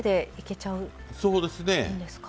そうですね。